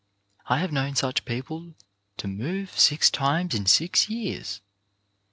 I have known such people to move six times in six years.